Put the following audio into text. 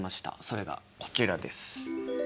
それがこちらです。